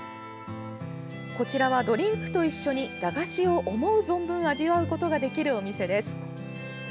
こちらは、ドリンクと一緒に駄菓子を思う存分味わうことができるお店です。